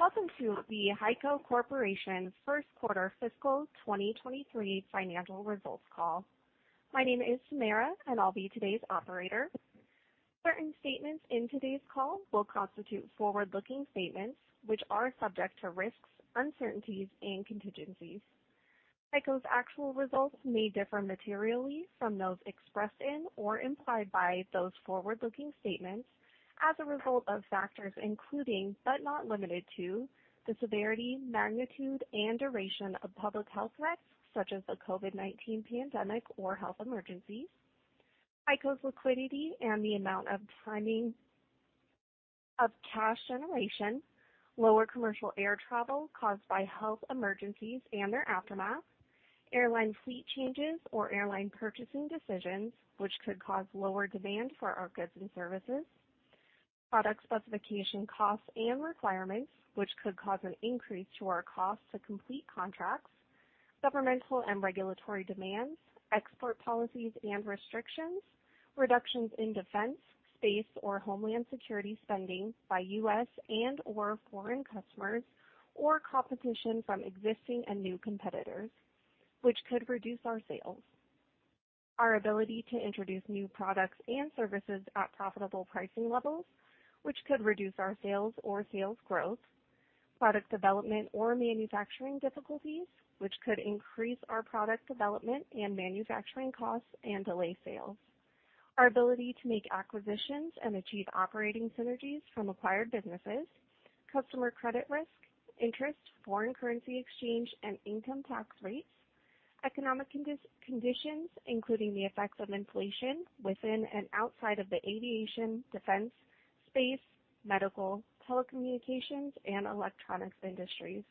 Welcome to the HEICO Corporation First Quarter Fiscal 2023 Financial Results Call. My name is Samara. I'll be today's operator. Certain statements in today's call will constitute forward-looking statements, which are subject to risks, uncertainties, and contingencies. HEICO's actual results may differ materially from those expressed in or implied by those forward-looking statements as a result of factors including, but not limited to, the severity, magnitude, and duration of public health threats, such as the COVID-19 pandemic or health emergencies. HEICO's liquidity and the amount and timing of cash generation, lower commercial air travel caused by health emergencies and their aftermath, airline fleet changes or airline purchasing decisions which could cause lower demand for our goods and services, product specification costs and requirements which could cause an increase to our cost to complete contracts, governmental and regulatory demands, export policies and restrictions, reductions in defense, space or homeland security spending by U.S. and/or foreign customers, or competition from existing and new competitors, which could reduce our sales. Our ability to introduce new products and services at profitable pricing levels, which could reduce our sales or sales growth. Product development or manufacturing difficulties which could increase our product development and manufacturing costs and delay sales. Our ability to make acquisitions and achieve operating synergies from acquired businesses, customer credit risk, interest, foreign currency exchange, and income tax rates. Economic conditions, including the effects of inflation within and outside of the aviation, defense, space, medical, telecommunications, and electronics industries,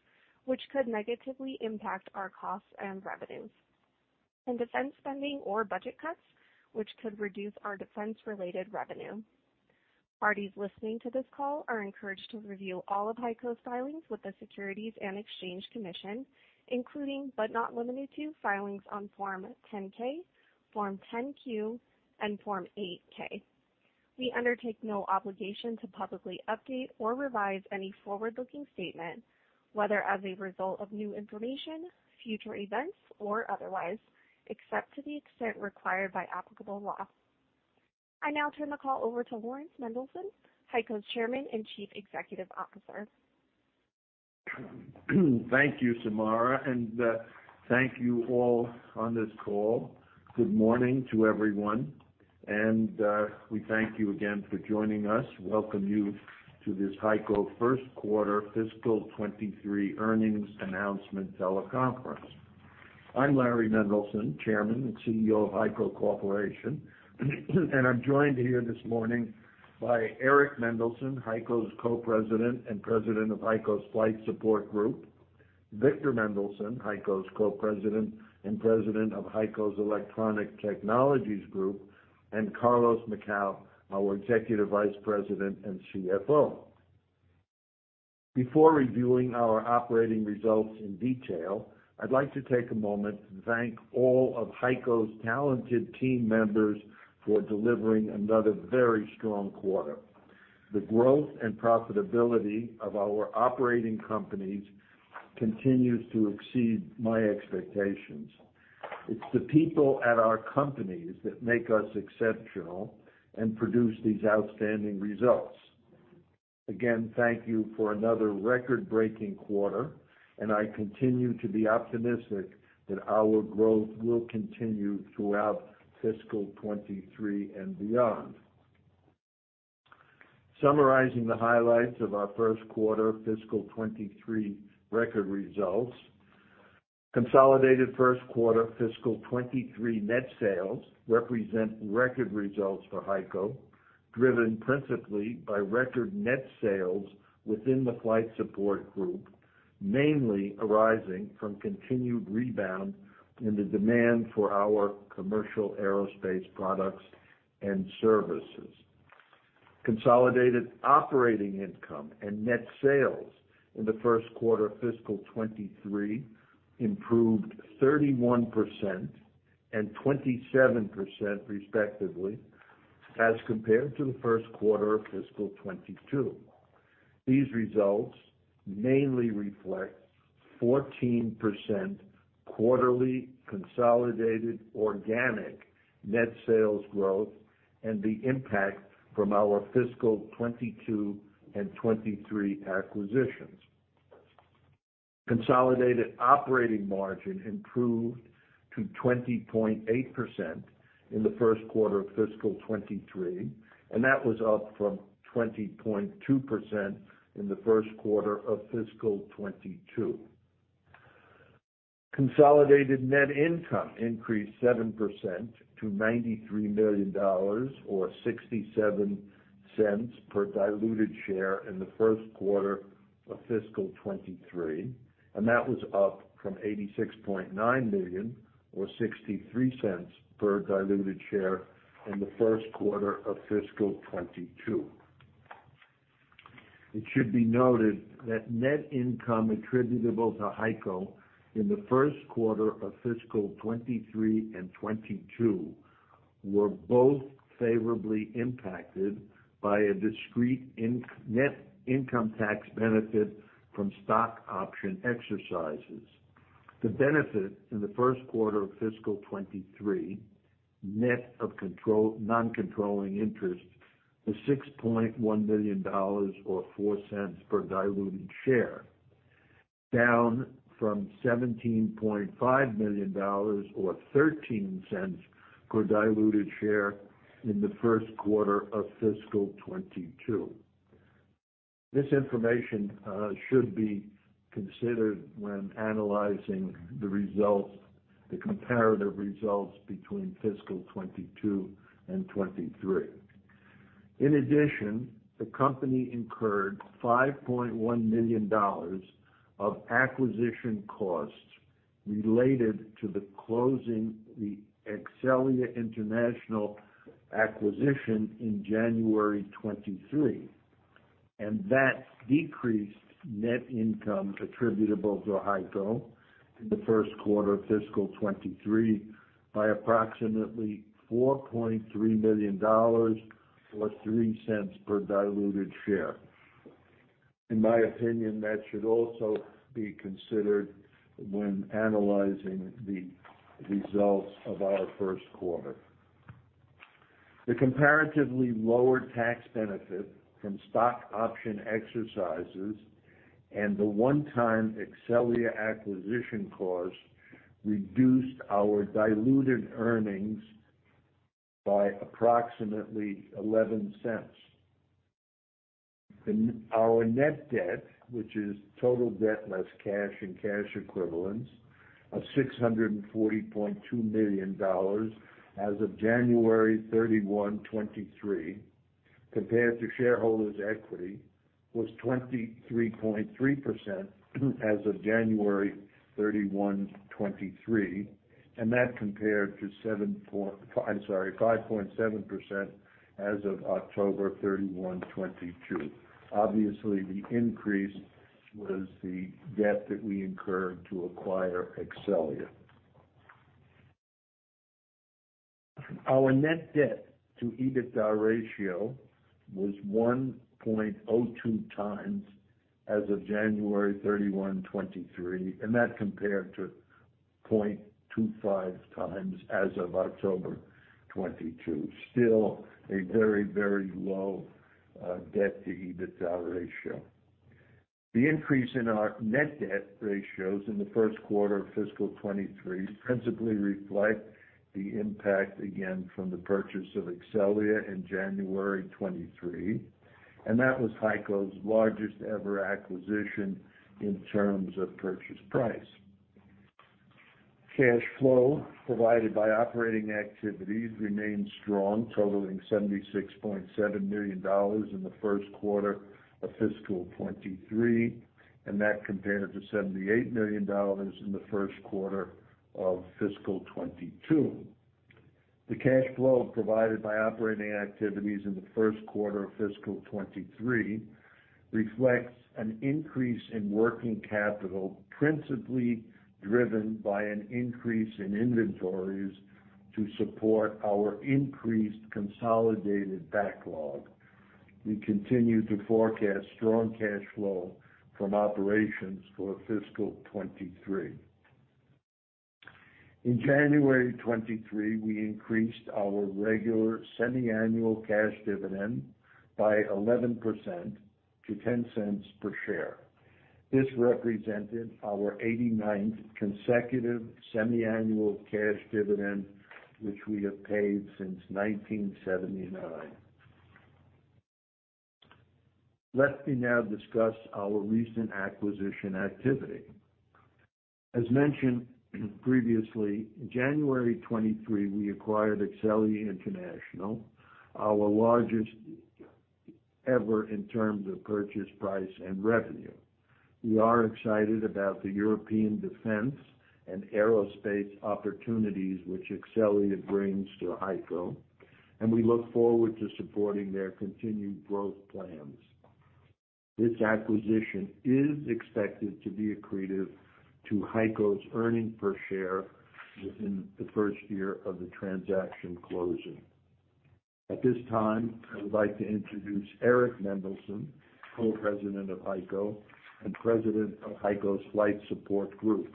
which could negatively impact our costs and revenues. Defense spending or budget cuts, which could reduce our defense-related revenue. Parties listening to this call are encouraged to review all of HEICO's filings with the Securities and Exchange Commission, including, but not limited to, filings on Form 10-K, Form 10-Q, and Form 8-K. We undertake no obligation to publicly update or revise any forward-looking statement, whether as a result of new information, future events, or otherwise, except to the extent required by applicable law. I now turn the call over to Lawrence Mendelson, HEICO's Chairman and Chief Executive Officer. Thank you, Samara. Thank you all on this call. Good morning to everyone. We thank you again for joining us. Welcome you to this HEICO First Quarter Fiscal 2023 Earnings Announcement Teleconference. I'm Larry Mendelson, Chairman and CEO of HEICO Corporation, and I'm joined here this morning by Eric Mendelson, HEICO's Co-President and President of HEICO's Flight Support Group, Victor Mendelson, HEICO's Co-President and President of HEICO's Electronic Technologies Group, and Carlos Macau, our Executive Vice President and CFO. Before reviewing our operating results in detail, I'd like to take a moment to thank all of HEICO's talented team members for delivering another very strong quarter. The growth and profitability of our operating companies continues to exceed my expectations. It's the people at our companies that make us exceptional and produce these outstanding results. Again, thank you for another record-breaking quarter, and I continue to be optimistic that our growth will continue throughout fiscal 2023 and beyond. Summarizing the highlights of our first quarter fiscal 2023 record results. Consolidated first quarter fiscal 2023 net sales represent record results for HEICO, driven principally by record net sales within the Flight Support Group, mainly arising from continued rebound in the demand for our commercial aerospace products and services. Consolidated operating income and net sales in the first quarter of fiscal 2023 improved 31% and 27%, respectively, as compared to the first quarter of fiscal 2022. These results mainly reflect 14% quarterly consolidated organic net sales growth and the impact from our fiscal 2022 and 2023 acquisitions. Consolidated operating margin improved to 20.8% in the first quarter of fiscal 2023, that was up from 20.2% in the first quarter of fiscal 2022. Consolidated net income increased 7% to $93 million or $0.67 per diluted share in the first quarter of fiscal 2023, that was up from $86.9 million or $0.63 per diluted share in the first quarter of fiscal 2022. It should be noted that net income attributable to HEICO in the first quarter of fiscal 2023 and 2022 were both favorably impacted by a discrete net income tax benefit from stock option exercises. The benefit in the first quarter of fiscal 2023, net of non-controlling interest was $6.1 million or $0.04 per diluted share, down from $17.5 million or $0.13 per diluted share in the first quarter of fiscal 2022. This information should be considered when analyzing the results, the comparative results between fiscal 2022 and 2023. The company incurred $5.1 million of acquisition costs related to the closing the Exxelia International acquisition in January 2023, that decreased net income attributable to HEICO in the first quarter of fiscal 2023 by approximately $4.3 million or $0.03 per diluted share. In my opinion, that should also be considered when analyzing the results of our first quarter. The comparatively lower tax benefit from stock option exercises and the one-time Exxelia acquisition costs reduced our diluted earnings by approximately $0.11. Our net debt, which is total debt less cash and cash equivalents of $640.2 million as of January 31, 2023, compared to Shareholders' Equity, was 23.3% as of January 31, 2023. That compared to 5.7% as of October 31, 2022. Obviously, the increase was the debt that we incurred to acquire Exxelia. Our net debt to EBITDA ratio was 1.02 times as of January 31, 2023, and that compared to 0.25 times as of October 2022. Still a very, very low debt to EBITDA ratio. The increase in our net debt ratios in the first quarter of fiscal 2023 principally reflect the impact, again, from the purchase of Exxelia in January 2023. That was HEICO's largest ever acquisition in terms of purchase price. Cash flow provided by operating activities remained strong, totaling $76.7 million in the first quarter of fiscal 2023. That compared to $78 million in the first quarter of fiscal 2022. The cash flow provided by operating activities in the first quarter of fiscal 2023 reflects an increase in working capital, principally driven by an increase in inventories to support our increased consolidated backlog. We continue to forecast strong cash flow from operations for fiscal 2023. In January 2023, we increased our regular semiannual cash dividend by 11% to $0.10 per share. This represented our 89th consecutive semiannual cash dividend, which we have paid since 1979. Let me now discuss our recent acquisition activity. As mentioned previously, in January 2023, we acquired Exxelia International, our largest ever in terms of purchase price, and revenue. We are excited about the European defense and aerospace opportunities which Exxelia brings to HEICO, and we look forward to supporting their continued growth plans. This acquisition is expected to be accretive to HEICO's earnings per share within the first year of the transaction closing. At this time, I would like to introduce Eric Mendelson, Co-President of HEICO and President of HEICO's Flight Support Group.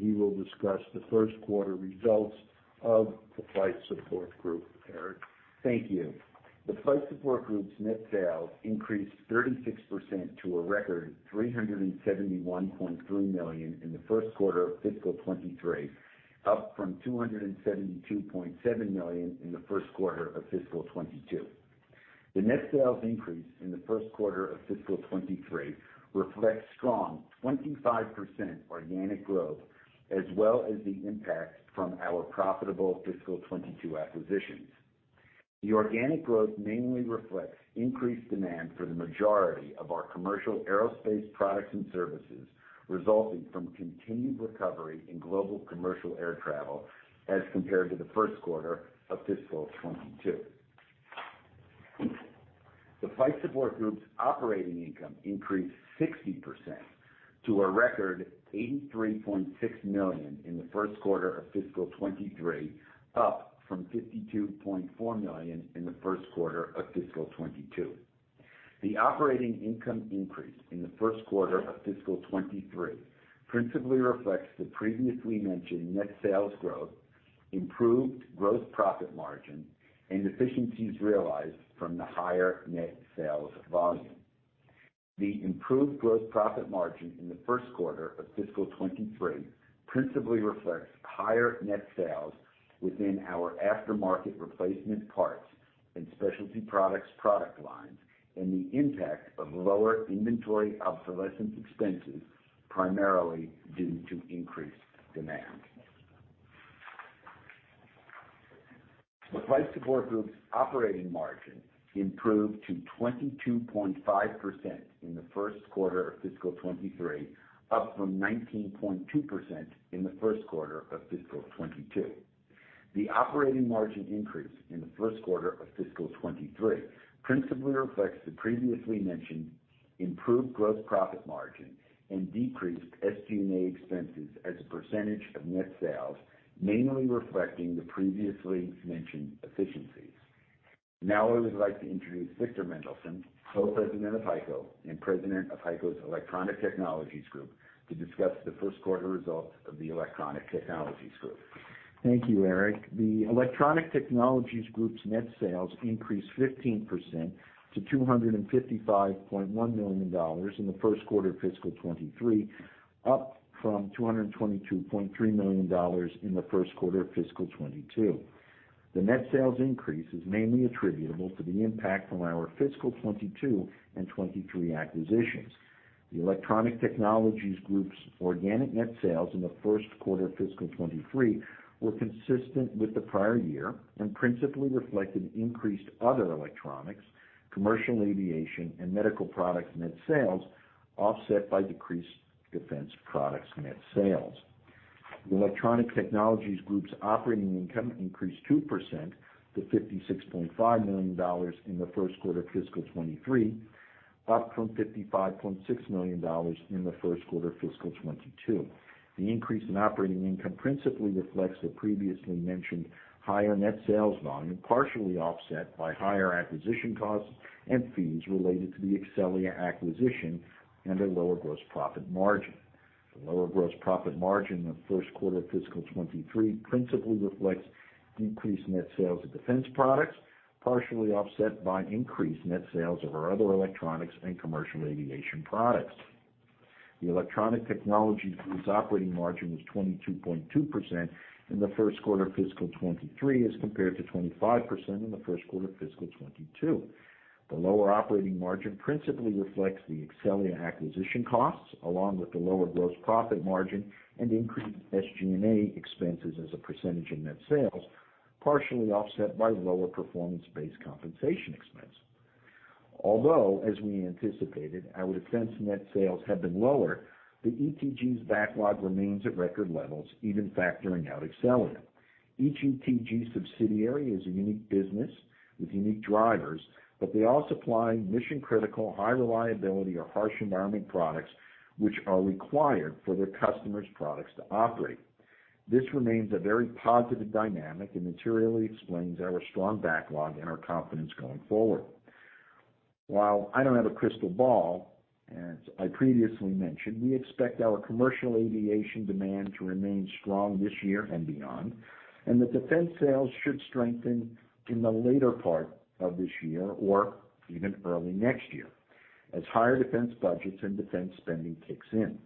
He will discuss the first quarter results of the Flight Support Group. Eric? Thank you. The Flight Support Group's net sales increased 36% to a record $371.3 million in the first quarter of fiscal 2023, up from $272.7 million in the first quarter of fiscal 2022. The net sales increase in the first quarter of fiscal 2023 reflects strong 25% organic growth as well as the impact from our profitable fiscal 2022 acquisitions. The organic growth mainly reflects increased demand for the majority of our commercial aerospace products and services, resulting from continued recovery in global commercial air travel as compared to the first quarter of fiscal 2022. The Flight Support Group's operating income increased 60% to a record $83.6 million in the first quarter of fiscal 2023, up from $52.4 million in the first quarter of fiscal 2022. The operating income increase in the first quarter of fiscal '23 principally reflects the previously mentioned net sales growth, improved gross profit margin, and efficiencies realized from the higher net sales volume. The improved gross profit margin in the first quarter of fiscal '23 principally reflects higher net sales within our aftermarket replacement parts and specialty products product lines, and the impact of lower inventory obsolescence expenses, primarily due to increased demand. The Flight Support Group's operating margin improved to 22.5% in the first quarter of fiscal '23, up from 19.2% in the first quarter of fiscal '22. The operating margin increase in the first quarter of fiscal '23 principally reflects the previously mentioned improved gross profit margin and decreased SG&A expenses as a percentage of net sales, mainly reflecting the previously mentioned efficiencies. I would like to introduce Victor Mendelson, Co-President of HEICO and President of HEICO's Electronic Technologies Group, to discuss the first quarter results of the Electronic Technologies Group. Thank you, Eric. The Electronic Technologies Group's net sales increased 15% to $255.1 million in the first quarter of fiscal 2023, up from $222.3 million in the first quarter of fiscal 2022. The net sales increase is mainly attributable to the impact from our fiscal 2022 and 2023 acquisitions. The Electronic Technologies Group's organic net sales in the first quarter of fiscal 2023 were consistent with the prior year and principally reflected increased other electronics, commercial aviation, and medical products net sales, offset by decreased defense products net sales. The Electronic Technologies Group's operating income increased 2% to $56.5 million in the first quarter of fiscal 2023, up from $55.6 million in the first quarter of fiscal 2022. The increase in operating income principally reflects the previously mentioned higher net sales volume, partially offset by higher acquisition costs and fees related to the Exxelia acquisition and a lower gross profit margin. The lower gross profit margin in the first quarter of fiscal 2023 principally reflects decreased net sales of defense products, partially offset by increased net sales of our other electronics and commercial aviation products. The Electronic Technologies Group's operating margin was 22.2% in the first quarter of fiscal 2023 as compared to 25% in the first quarter of fiscal 2022. The lower operating margin principally reflects the Exxelia acquisition costs along with the lower gross profit margin and increased SG&A expenses as a percentage of net sales, partially offset by lower performance-based compensation expense. Although, as we anticipated, our defense net sales have been lower, the ETG's backlog remains at record levels, even factoring out Exxelia. Each ETG subsidiary is a unique business with unique drivers, but they all supply mission-critical, high reliability, or harsh environment products which are required for their customers' products to operate. This remains a very positive dynamic and materially explains our strong backlog and our confidence going forward. While I don't have a crystal ball, as I previously mentioned, we expect our commercial aviation demand to remain strong this year and beyond, and the defense sales should strengthen in the later part of this year or even early next year as higher defense budgets and defense spending kicks in.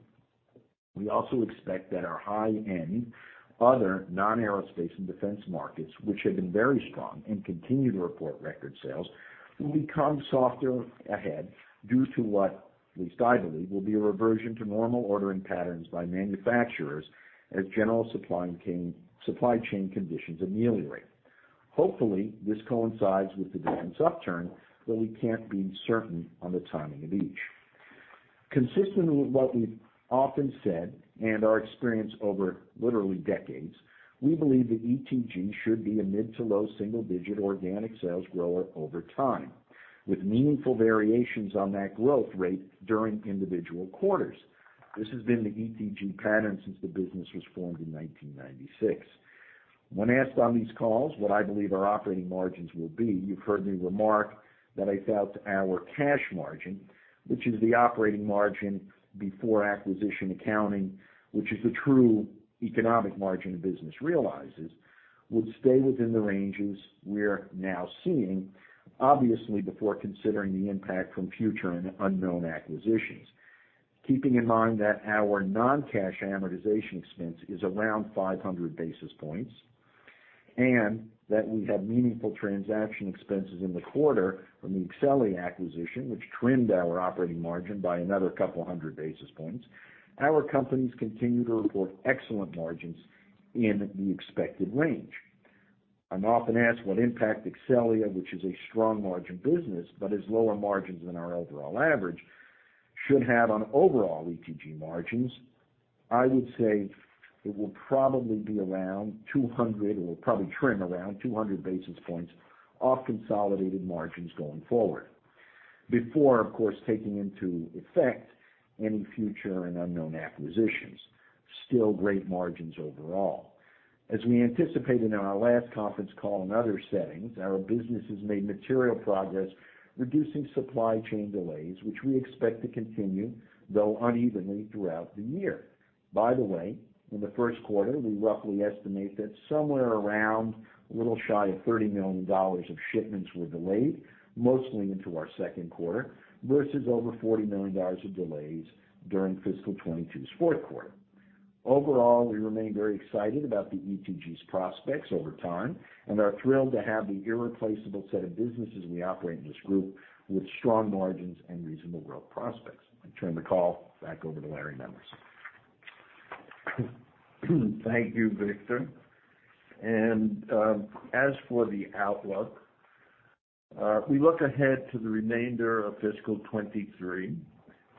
We also expect that our high-end other non-aerospace and defense markets, which have been very strong and continue to report record sales, will become softer ahead due to what, at least I believe, will be a reversion to normal ordering patterns by manufacturers as general supply chain conditions ameliorate. Hopefully, this coincides with the defense upturn, but we can't be certain on the timing of each. Consistent with what we've often said and our experience over literally decades, we believe that ETG should be a mid to low single-digit organic sales grower over time, with meaningful variations on that growth rate during individual quarters. This has been the ETG pattern since the business was formed in 1996. When asked on these calls what I believe our operating margins will be, you've heard me remark that I felt our cash margin, which is the operating margin before acquisition accounting, which is the true economic margin a business realizes, would stay within the ranges we're now seeing, obviously, before considering the impact from future and unknown acquisitions. Keeping in mind that our non-cash amortization expense is around 500 basis points and that we had meaningful transaction expenses in the quarter from the Exxelia acquisition, which trimmed our operating margin by another couple hundred basis points, our companies continue to report excellent margins in the expected range. I'm often asked what impact Exxelia, which is a strong margin business but has lower margins than our overall average, should have on overall ETG margins. I would say it will probably be around 200, or probably trim around 200 basis points off consolidated margins going forward. Before, of course, taking into effect any future and unknown acquisitions. Still great margins overall. As we anticipated in our last conference call and other settings, our business has made material progress reducing supply chain delays, which we expect to continue, though unevenly, throughout the year. By the way, in the first quarter, we roughly estimate that somewhere around a little shy of $30 million of shipments were delayed, mostly into our second quarter, versus over $40 million of delays during fiscal 2022's fourth quarter. Overall, we remain very excited about the ETG's prospects over time and are thrilled to have the irreplaceable set of businesses we operate in this group with strong margins and reasonable growth prospects. I turn the call back over to Larry Mendelson. Thank you, Victor. As for the outlook, we look ahead to the remainder of fiscal 2023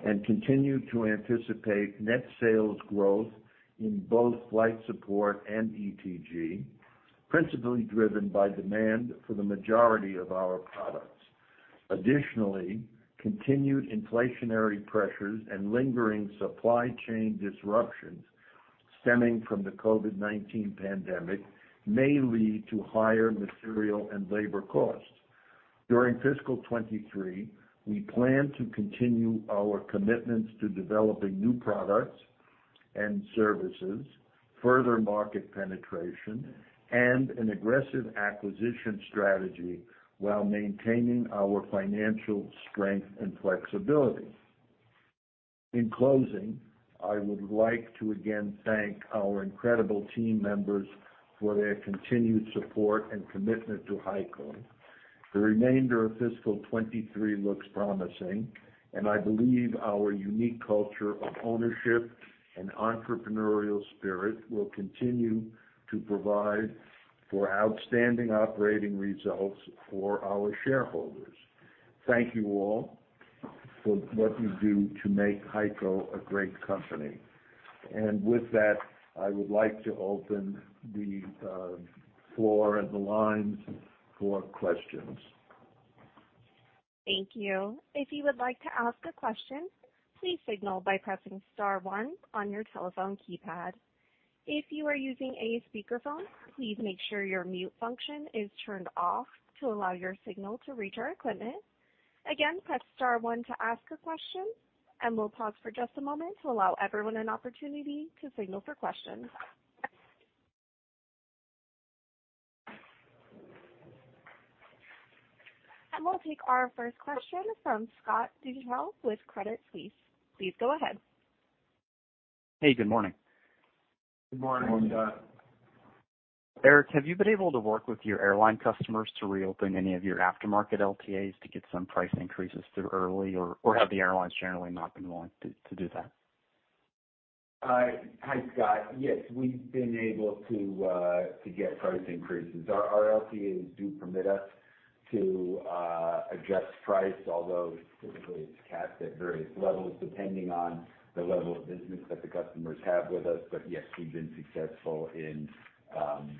and continue to anticipate net sales growth in both Flight Support and ETG, principally driven by demand for the majority of our products. Additionally, continued inflationary pressures and lingering supply chain disruptions stemming from the COVID-19 pandemic may lead to higher material and labor costs. During fiscal 2023, we plan to continue our commitments to developing new products and services, further market penetration, and an aggressive acquisition strategy while maintaining our financial strength and flexibility. In closing, I would like to again thank our incredible team members for their continued support and commitment to HEICO. The remainder of fiscal 2023 looks promising, and I believe our unique culture of ownership and entrepreneurial spirit will continue to provide for outstanding operating results for our shareholders. Thank you all for what you do to make HEICO a great company. With that, I would like to open the floor and the lines for questions. Thank you. If you would like to ask a question, please signal by pressing star one on your telephone keypad. If you are using a speakerphone, please make sure your mute function is turned off to allow your signal to reach our equipment. Again, press star one to ask a question, we'll pause for just a moment to allow everyone an opportunity to signal for questions. We'll take our first question from Scott Deuschle with Credit Suisse. Please go ahead. Hey, good morning. Good morning, Scott. Good morning. Eric, have you been able to work with your airline customers to reopen any of your aftermarket LTA to get some price increases through early, or have the airlines generally not been willing to do that? Hi, Scott. Yes, we've been able to get price increases. Our LTA do permit us to adjust price, although typically it's capped at various levels depending on the level of business that the customers have with us. Yes, we've been successful in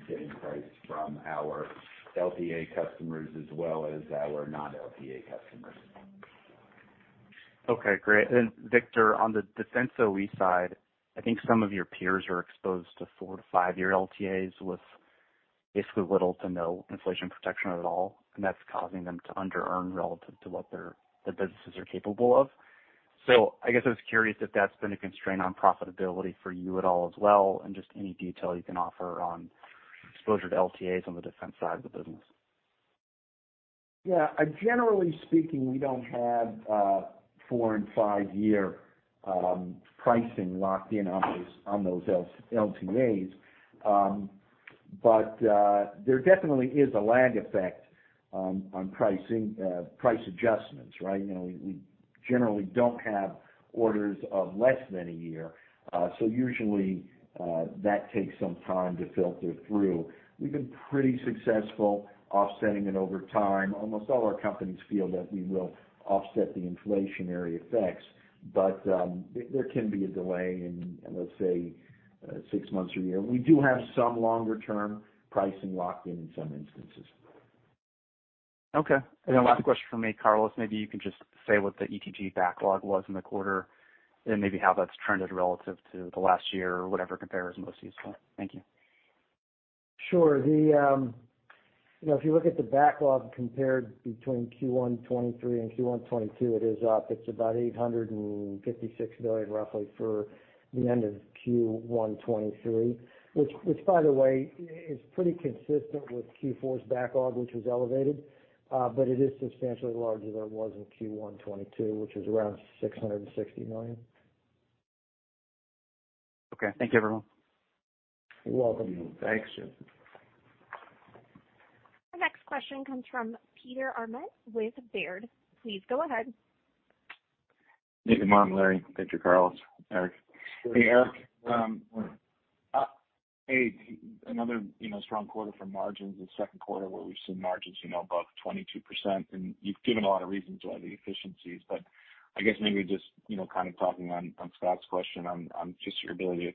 getting price from our LTA customers as well as our non-LTA customers. Okay, great. Victor, on the defense OE side, I think some of your peers are exposed to four-five-year LTA with basically little to no inflation protection at all, and that's causing them to under-earn relative to what their businesses are capable of. I guess I was curious if that's been a constraint on profitability for you at all as well and just any detail you can offer on exposure to LTA on the defense side of the business. Yeah. Generally speaking, we don't have four and five-year pricing locked in on those LTA. There definitely is a lag effect on pricing, price adjustments, right? You know, we generally don't have orders of less than one year, usually that takes some time to filter through. We've been pretty successful offsetting it over time. Almost all our companies feel that we will offset the inflationary effects, there can be a delay in, let's say, six months or one year. We do have some longer term pricing locked in in some instances. Okay. Last question from me. Carlos, maybe you can just say what the ETG backlog was in the quarter and maybe how that's trended relative to the last year or whatever comparison most useful. Thank you. Sure. The, you know, if you look at the backlog compared between Q1 2023 and Q1 2022, it is up. It's about $856 million roughly for the end of Q1 2023. Which by the way is pretty consistent with Q4's backlog, which was elevated. It is substantially larger than it was in Q1 2022, which was around $660 million. Okay. Thank you, everyone. You're welcome. Thanks. Our next question comes from Peter Arment with Baird. Please go ahead. Hey, good morning, Larry, Victor, Carlos, Eric. Good morning. Hey, another, you know, strong quarter for margins. The second quarter where we've seen margins, you know, above 22%. You've given a lot of reasons why, the efficiencies. I guess maybe just, you know, kind of talking on Scott's question on just your ability to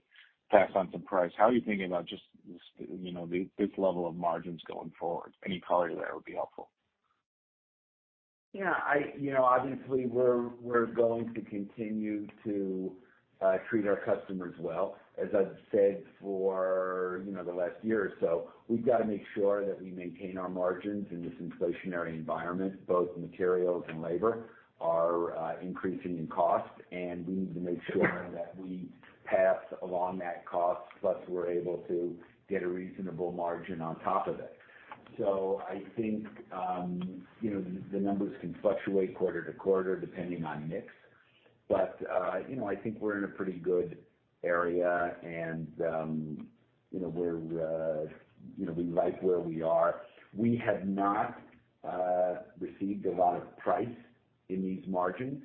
pass on some price. How are you thinking about just this, you know, this level of margins going forward? Any color there would be helpful. Yeah, you know, obviously, we're going to continue to treat our customers well. As I've said for, you know, the last year or so, we've got to make sure that we maintain our margins in this inflationary environment, both materials and labor are increasing in cost, and we need to make sure that we pass along that cost, plus we're able to get a reasonable margin on top of it. I think, you know, the numbers can fluctuate quarter to quarter depending on mix. You know, I think we're in a pretty good area and, you know, we're, you know, we like where we are. We have not received a lot of price in these margins.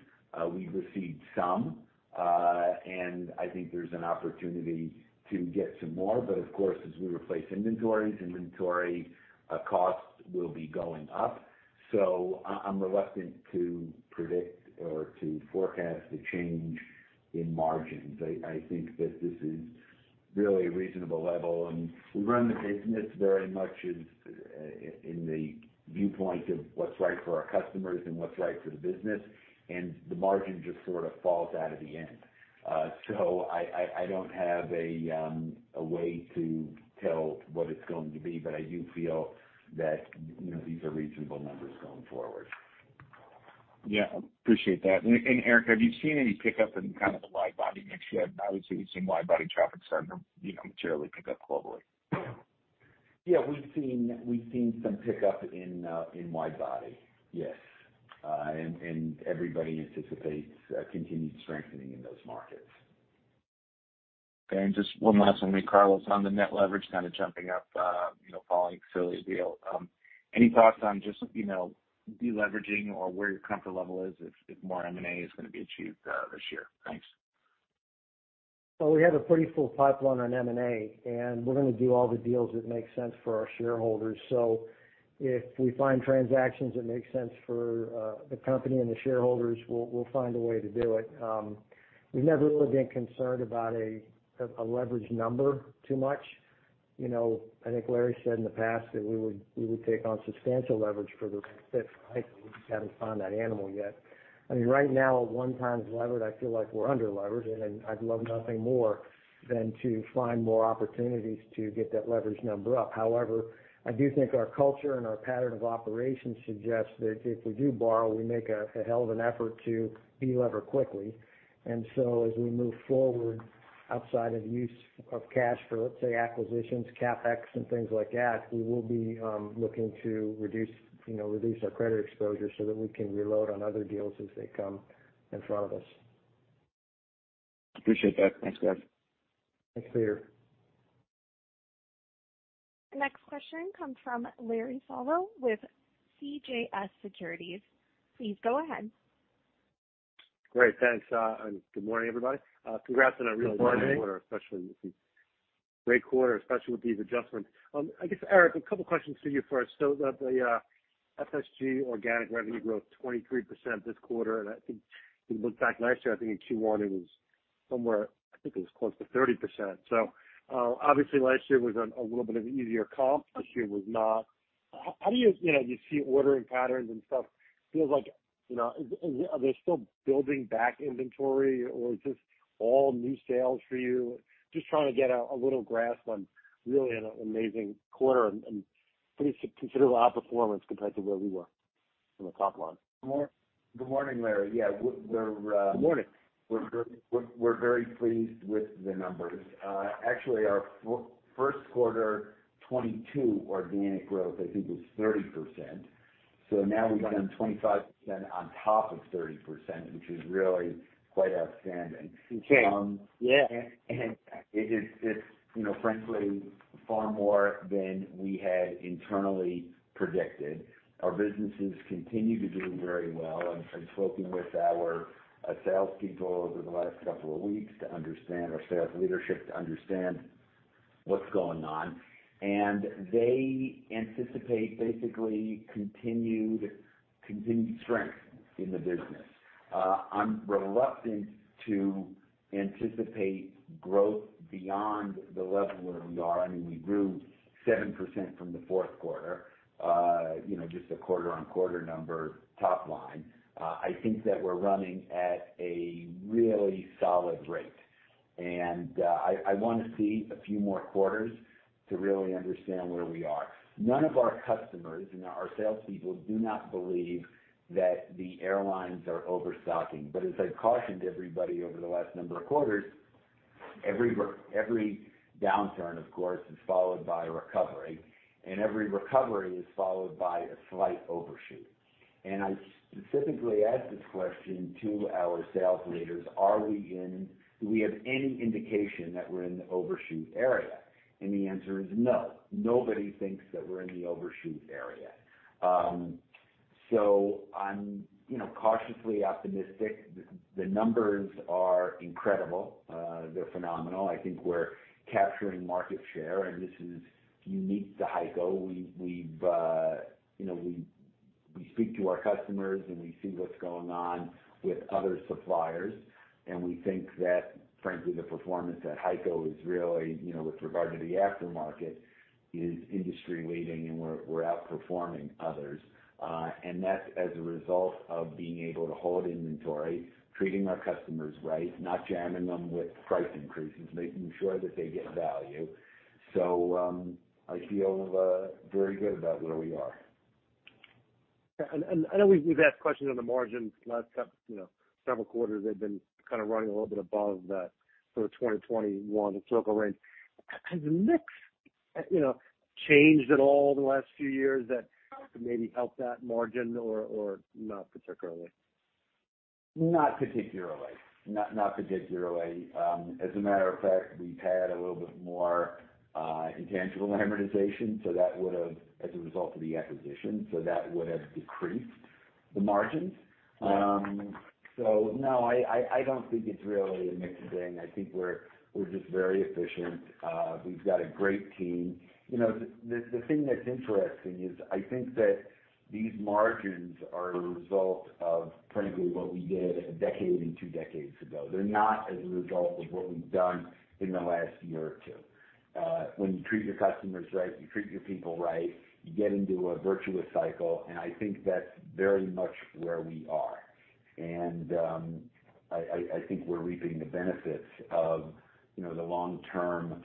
We've received some, and I think there's an opportunity to get some more. Of course, as we replace inventories, inventory costs will be going up. I'm reluctant to predict or to forecast a change in margins. I think that this is really a reasonable level, and we run the business very much as in the viewpoint of what's right for our customers and what's right for the business, and the margin just sort of falls out of the end. I, I don't have a way to tell what it's going to be, but I do feel that, you know, these are reasonable numbers going forward. Yeah, appreciate that. Eric, have you seen any pickup in kind of the wide-body mix yet? Obviously, we've seen wide-body traffic starting to, you know, materially pick up globally. Yeah, we've seen some pickup in wide-body, yes. Everybody anticipates continued strengthening in those markets. Okay. Just one last one. I mean, Carlos, on the net leverage kind of jumping up, you know, following the facility deal, any thoughts on just, you know, deleveraging or where your comfort level is if more M&A is gonna be achieved, this year? Thanks. Well, we have a pretty full pipeline on M&A, and we're gonna do all the deals that make sense for our shareholders. If we find transactions that make sense for the company and the shareholders, we'll find a way to do it. We've never really been concerned about a leverage number too much. You know, I think Larry said in the past that we would take on substantial leverage for the right fit, right? We just haven't found that animal yet. I mean, right now at one times levered, I feel like we're under-levered, and I'd love nothing more than to find more opportunities to get that leverage number up. However, I do think our culture and our pattern of operations suggests that if we do borrow, we make a hell of an effort to delever quickly. As we move forward outside of use of cash for, let's say, acquisitions, CapEx, and things like that, we will be looking to reduce, you know, our credit exposure so that we can reload on other deals as they come in front of us. Appreciate that. Thanks, guys. Thanks, Peter. Next question comes from Larry Solow with CJS Securities. Please go ahead. Great. Thanks, good morning, everybody. Congrats on a. Good morning. Great quarter, especially with these adjustments. I guess, Eric, a couple questions to you first. The, the FSG organic revenue growth 23% this quarter, and I think it was back last year, I think in Q1 it was somewhere, I think it was close to 30%. Obviously last year was a little bit of an easier comp. This year was not. How do you know, you see ordering patterns and stuff feels like, you know, are they still building back inventory or just all new sales for you? Just trying to get a little grasp on really an amazing quarter and pretty considerable outperformance compared to where we were from a top line. Good morning, Larry. Yeah, we're. Good morning.... we're very pleased with the numbers. Actually, our first quarter 2022 organic growth, I think, was 30%. Now we've done 25% on top of 30%, which is really quite outstanding. Okay. Yeah. It is just, you know, frankly far more than we had internally predicted. Our businesses continue to do very well. I'm spoken with our salespeople over the last couple of weeks to understand, our sales leadership to understand what's going on. They anticipate basically continued strength in the business. I'm reluctant to anticipate growth beyond the level where we are. I mean, we grew 7% from the fourth quarter, you know, just a quarter-on-quarter number top line. I think that we're running at a really solid rate, and I wanna see a few more quarters to really understand where we are. None of our customers and our salespeople do not believe that the airlines are overstocking. As I cautioned everybody over the last number of quarters, every downturn, of course, is followed by a recovery, and every recovery is followed by a slight overshoot. I specifically asked this question to our sales leaders, "Are we do we have any indication that we're in the overshoot area?" The answer is no. Nobody thinks that we're in the overshoot area. I'm, you know, cautiously optimistic. The numbers are incredible. They're phenomenal. I think we're capturing market share, and this is unique to HEICO. We've, you know, we speak to our customers, and we see what's going on with other suppliers. We think that frankly, the performance at HEICO is really, you know, with regard to the aftermarket, is industry-leading, and we're outperforming others. That's as a result of being able to hold inventory, treating our customers right, not jamming them with price increases, making sure that they get value. I feel very good about where we are. I know we've asked questions on the margins the last couple, you know, several quarters. They've been kind of running a little bit above that sort of 20%-21% historical range. Has mix, you know, changed at all the last few years that maybe helped that margin or not particularly? Not particularly. As a matter of fact, we've had a little bit more intangible amortization, as a result of the acquisition, so that would've decreased the margins. No, I don't think it's really a mix thing. I think we're just very efficient. We've got a great team. You know, the thing that's interesting is I think that these margins are a result of frankly, what we did a decade and two decades ago. They're not as a result of what we've done in the last year or 2. When you treat your customers right, you treat your people right, you get into a virtuous cycle, I think that's very much where we are. I think we're reaping the benefits of, you know, the long-term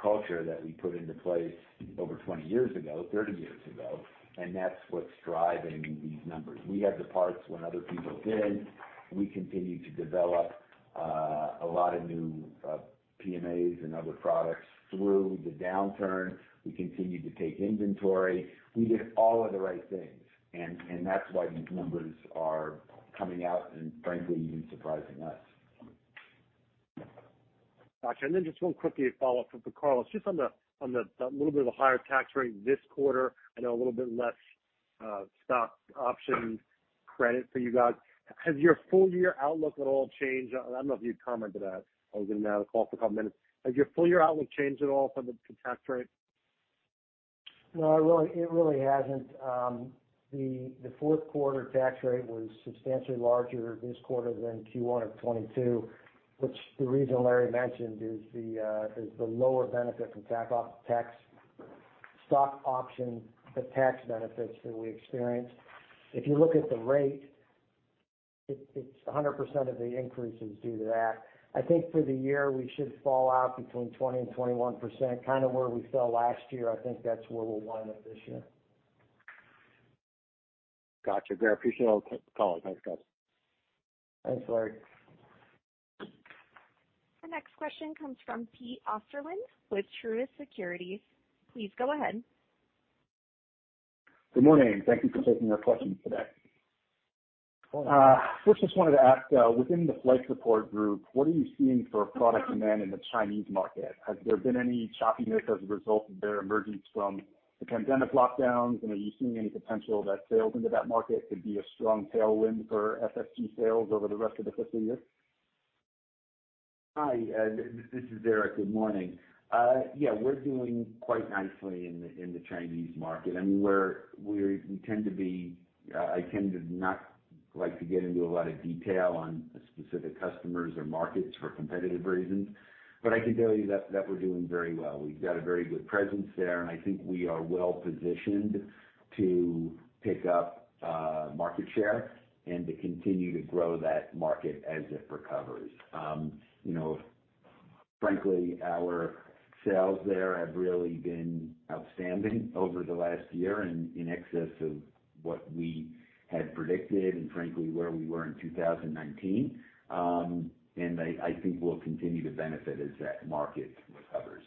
culture that we put into place over 20 years ago, 30 years ago, and that's what's driving these numbers. We had the parts when other people didn't. We continued to develop a lot of new PMA and other products through the downturn. We continued to take inventory. We did all of the right things, and that's why these numbers are coming out and frankly, even surprising us. Gotcha. Then just one quickie follow-up for Carlos, just that little bit of a higher tax rate this quarter. I know a little bit less, stock option credit for you guys. Has your full year outlook at all changed? I don't know if you'd comment to that, only been on the call for a couple minutes. Has your full year outlook changed at all from the tax rate? No, it really hasn't. The fourth quarter tax rate was substantially larger this quarter than Q1 of 2022, which the reason Larry mentioned is the lower benefit from tax stock option, the tax benefits that we experienced. If you look at the rate, it's 100% of the increase is due to that. I think for the year, we should fall out between 20% and 21%, kind of where we fell last year. I think that's where we'll wind up this year. Gotcha. Great. Appreciate all. Call it. Thanks, guys. Thanks, Larry. The next question comes from Pete Osterland with Truist Securities. Please go ahead. Good morning. Thank you for taking our questions today. Good morning. First just wanted to ask, within the Flight Support Group, what are you seeing for product demand in the Chinese market? Has there been any choppiness as a result of their emergence from the pandemic lockdowns? Are you seeing any potential that sales into that market could be a strong tailwind for FFG sales over the rest of the fiscal year? Hi, this is Derek. Good morning. Yeah, we're doing quite nicely in the Chinese market. I mean, we tend to be, I tend to not like to get into a lot of detail on specific customers or markets for competitive reasons, but I can tell you that we're doing very well. We've got a very good presence there, and I think we are well positioned to pick up market share and to continue to grow that market as it recovers. You know, frankly, our sales there have really been outstanding over the last year and in excess of what we had predicted and frankly, where we were in 2019. I think we'll continue to benefit as that market recovers.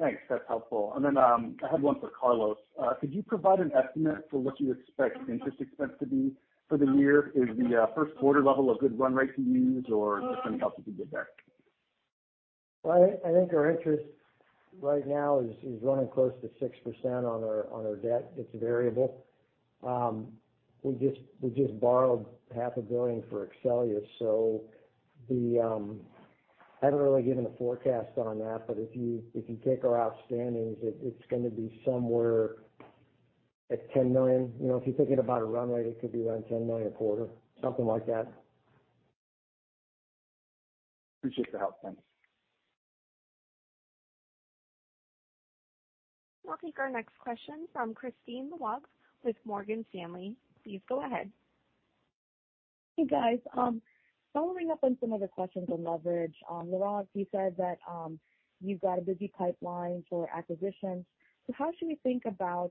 Thanks. That's helpful. I had one for Carlos. Could you provide an estimate for what you expect interest expense to be for the year? Is the first quarter level a good run rate to use or just anything else you can give there? I think our interest right now is running close to 6% on our debt. It's variable. We just borrowed half a billion for Exxelia. I haven't really given a forecast on that, but if you take our outstandings, it's gonna be somewhere at $10 million. You know, if you're thinking about a run rate, it could be around $10 million a quarter, something like that. Appreciate the help. Thanks. We'll take our next question from Kristine Liwag with Morgan Stanley. Please go ahead. Hey, guys. Following up on some of the questions on leverage, Laurans, you said that, you've got a busy pipeline for acquisitions. How should we think about,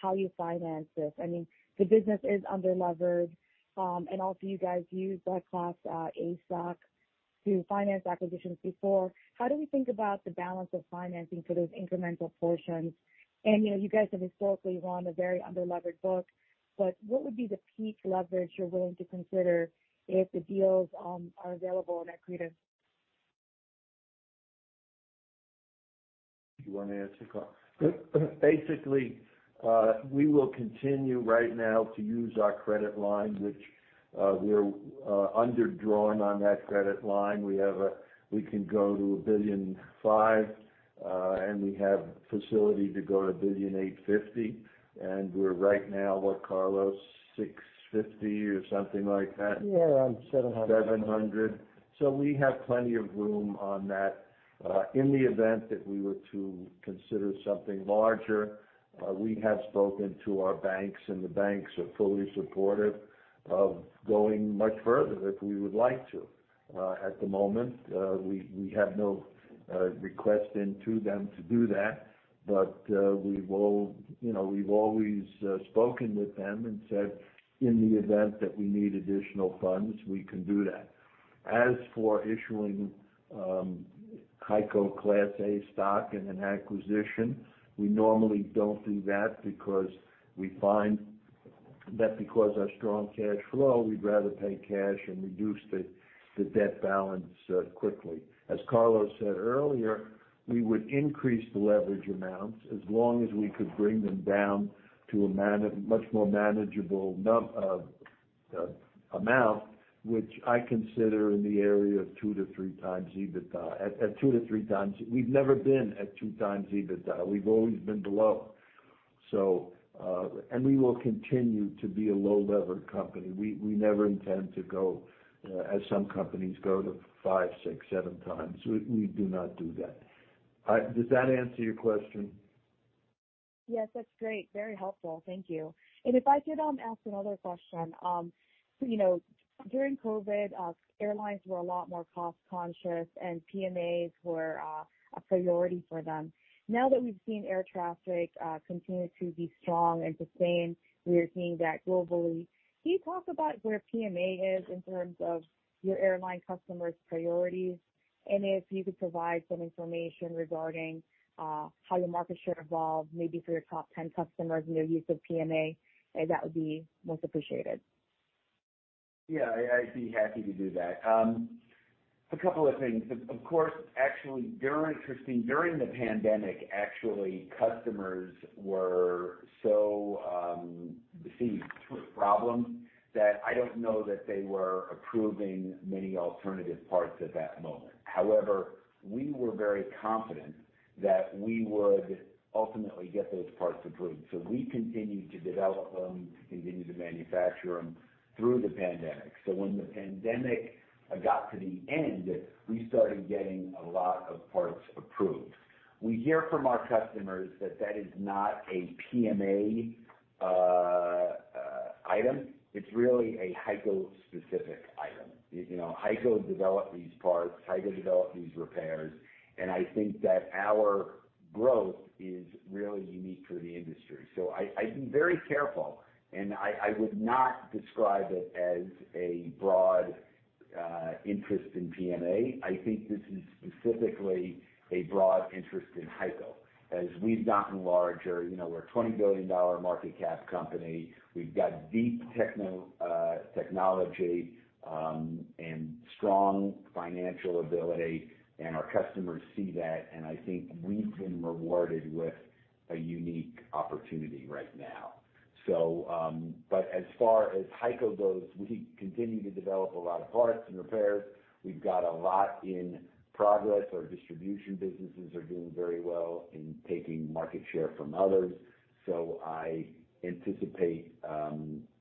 how you finance this? I mean, the business is under-levered, and also you guys used our Class A stock to finance acquisitions before. How do we think about the balance of financing for those incremental portions? You know, you guys have historically run a very under-levered book, but what would be the peak leverage you're willing to consider if the deals are available and are creative? You want to answer, Carl? Basically, we will continue right now to use our credit line, which we're under drawing on that credit line. We can go to $1.5 billion, and we have facility to go to $1.85 billion. We're right now, what, Carlos? $650 million or something like that. Yeah, around $700. 700. We have plenty of room on that. In the event that we were to consider something larger, we have spoken to our banks. The banks are fully supportive of going much further if we would like to. At the moment, we have no request into them to do that. We've you know, we've always spoken with them and said, in the event that we need additional funds, we can do that. As for issuing HEICO Class A stock in an acquisition, we normally don't do that because we find that because our strong cash flow, we'd rather pay cash and reduce the debt balance quickly. As Carlos said earlier, we would increase the leverage amounts as long as we could bring them down to a much more manageable amount, which I consider in the area of 2 to 3 times EBITDA, at 2 to 3 times... We've never been at 2 times EBITDA. We've always been below. We will continue to be a low-levered company. We never intend to go, as some companies go, to 5, 6, 7 times. We do not do that. Does that answer your question? Yes, that's great. Very helpful. Thank you. If I could ask another question. So, you know, during COVID, airlines were a lot more cost-conscious, and PMA were a priority for them. Now that we've seen air traffic continue to be strong and the same, we are seeing that globally. Can you talk about where PMA is in terms of your airline customers' priorities? If you could provide some information regarding how your market share evolved, maybe for your top 10 customers and their use of PMA, that would be most appreciated. I'd be happy to do that. A couple of things. Of course, actually, during Kristine, during the pandemic, actually, customers were so besieged with problems that I don't know that they were approving many alternative parts at that moment. However, we were very confident that we would ultimately get those parts approved. We continued to develop them, continued to manufacture them through the pandemic. When the pandemic got to the end, we started getting a lot of parts approved. We hear from our customers that that is not a PMA item. It's really a HEICO-specific item. You know, HEICO developed these parts, HEICO developed these repairs, and I think that our growth is really unique for the industry. I'd be very careful, and I would not describe it as a broad interest in PMA. I think this is specifically a broad interest in HEICO. As we've gotten larger, you know, we're a $20 billion market cap company. We've got deep technology and strong financial ability, and our customers see that, and I think we've been rewarded with a unique opportunity right now. As far as HEICO goes, we continue to develop a lot of parts and repairs. We've got a lot in progress. Our distribution businesses are doing very well in taking market share from others. I anticipate,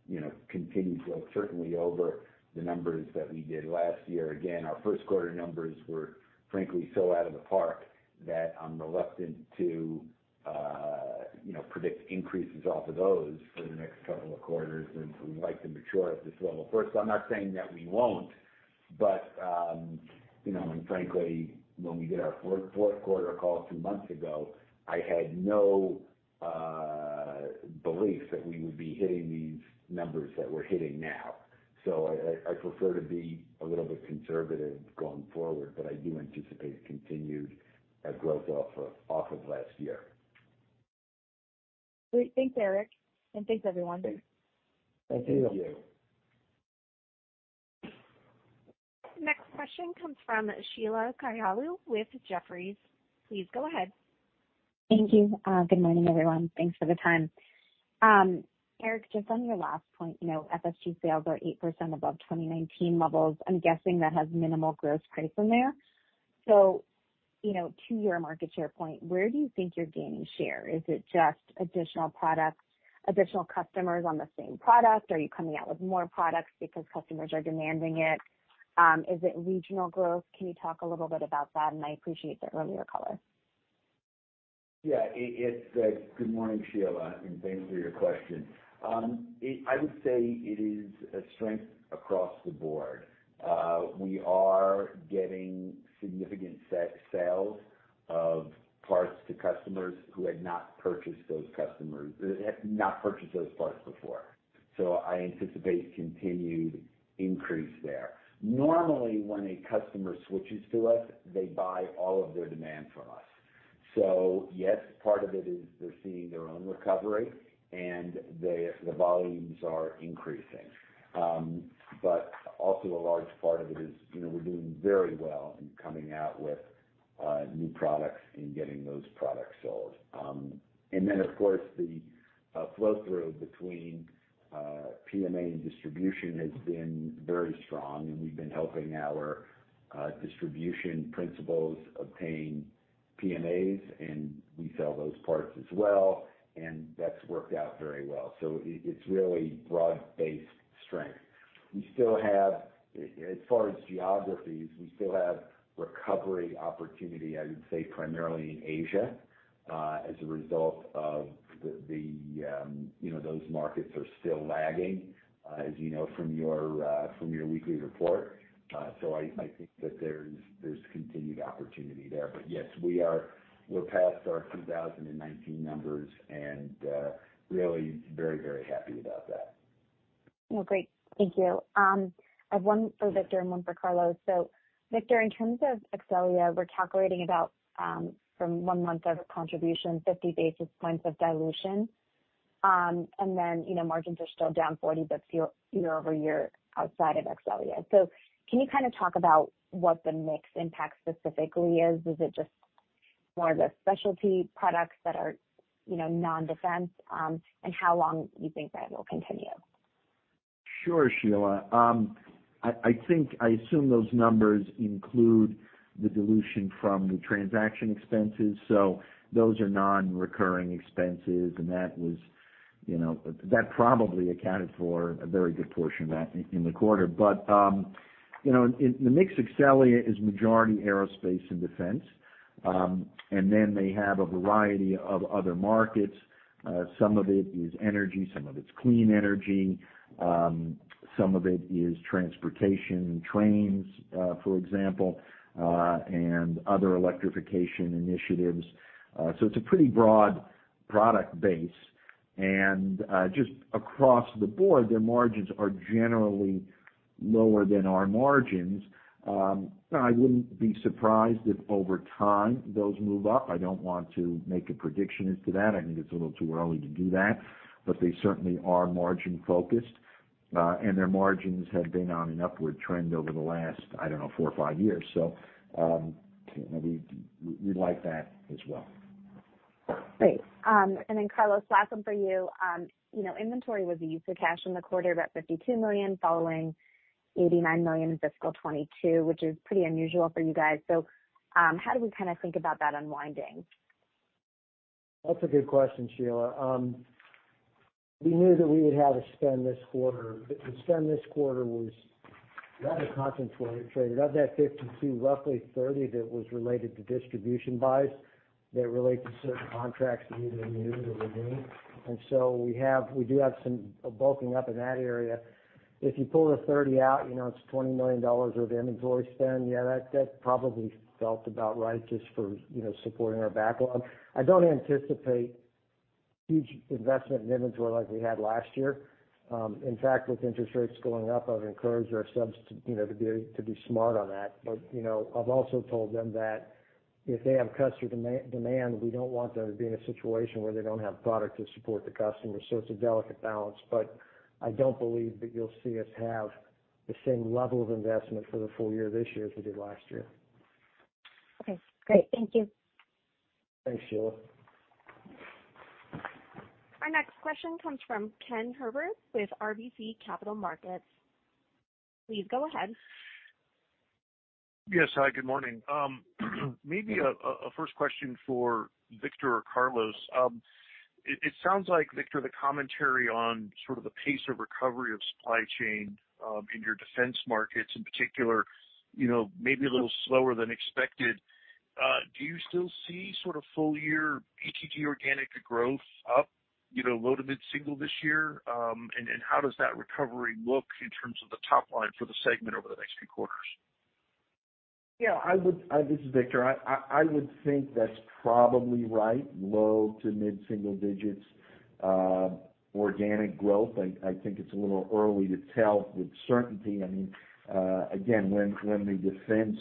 you know, continued growth, certainly over the numbers that we did last year. Again, our first quarter numbers were, frankly, so out of the park that I'm reluctant to, you know, predict increases off of those for the next couple of quarters. We'd like to mature at this level first. I'm not saying that we won't, but, you know, frankly, when we did our fourth quarter call two months ago, I had no belief that we would be hitting these numbers that we're hitting now. I prefer to be a little bit conservative going forward, but I do anticipate continued growth off of last year. Great. Thanks, Eric, and thanks everyone. Thanks. Thank you. Thank you. Next question comes from Sheila Kahyaoglu with Jefferies. Please go ahead. Thank you. Good morning, everyone. Thanks for the time. Eric, just on your last point, you know, FFG sales are 8% above 2019 levels. I'm guessing that has minimal gross price in there. You know, to your market share point, where do you think you're gaining share? Is it just additional products, additional customers on the same product? Are you coming out with more products because customers are demanding it? Is it regional growth? Can you talk a little bit about that? I appreciate the earlier color. Good morning, Sheila. Thanks for your question. I would say it is a strength across the board. We are getting significant sales of parts to customers who had not purchased those customers had not purchased those parts before. I anticipate continued increase there. Normally, when a customer switches to us, they buy all of their demand from us. Yes, part of it is they're seeing their own recovery and the volumes are increasing. Also a large part of it is, you know, we're doing very well in coming out with new products and getting those products sold. Of course, the flow-through between PMA and distribution has been very strong. We've been helping our distribution principals obtain PMA. We sell those parts as well. That's worked out very well. It's really broad-based strength. We still have, as far as geographies, we still have recovery opportunity, I would say, primarily in Asia, as a result of the, you know, those markets are still lagging, as you know, from your weekly report. I think that there's continued opportunity there. Yes, we're past our 2019 numbers and really very, very happy about that. Great. Thank you. I have one for Victor and one for Carlos. Victor, in terms of Exxelia, we're calculating about, from one month of contribution, 50 basis points of dilution. You know, margins are still down 40% year-over-year outside of Exxelia. Can you kind of talk about what the mix impact specifically is? Is it just more of the specialty products that are, you know, non-defense, and how long you think that will continue? Sure, Sheila. I think, I assume those numbers include the dilution from the transaction expenses. Those are non-recurring expenses, and that was, you know, that probably accounted for a very good portion of that in the quarter. You know, in the mix, Exxelia is majority Aerospace and Defense. And then they have a variety of other markets. Some of it is energy, some of it's clean energy, some of it is transportation, trains, for example, and other electrification initiatives. So it's a pretty broad product base. Just across the board, their margins are generally lower than our margins. I wouldn't be surprised if over time those move up. I don't want to make a prediction as to that. I think it's a little too early to do that. They certainly are margin-focused, and their margins have been on an upward trend over the last, I don't know, four or five years. We, we like that as well. Great. Carlos, last one for you. You know, inventory was a use of cash in the quarter of about $52 million, following $89 million in fiscal 2022, which is pretty unusual for you guys. How do we kinda think about that unwinding? That's a good question, Sheila. We knew that we would have a spend this quarter. The spend this quarter was rather concentrated. Of that 52, roughly 30 that was related to distribution buys that relate to certain contracts that we've either renewed or regained. We do have some bulking up in that area. If you pull the 30 out, you know, it's $20 million of inventory spend. Yeah, that probably felt about right just for, you know, supporting our backlog. I don't anticipate huge investment in inventory like we had last year. In fact, with interest rates going up, I've encouraged our subs to, you know, to be smart on that. You know, I've also told them that if they have customer demand, we don't want them to be in a situation where they don't have product to support the customer. It's a delicate balance, but I don't believe that you'll see us have the same level of investment for the full year this year as we did last year. Okay, great. Thank you. Thanks, Sheila. Our next question comes from Ken Herbert with RBC Capital Markets. Please go ahead. Yes. Hi, good morning. Maybe a first question for Victor or Carlos. It sounds like, Victor, the commentary on sort of the pace of recovery of supply chain, in your defense markets in particular, you know, may be a little slower than expected. Do you still see sort of full-year ETG organic growth up, you know, low to mid-single this year? How does that recovery look in terms of the top line for the segment over the next few quarters? Yeah, this is Victor. I would think that's probably right, low to mid-single digits, organic growth. I think it's a little early to tell with certainty. I mean, again, when the defense